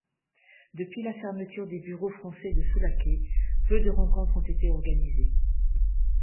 Depuis la fermeture des bureaux français de Sulake, peu de rencontres ont été organisées.